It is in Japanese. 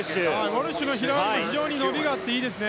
ウォルシュの平泳ぎ非常に伸びがあっていいですね。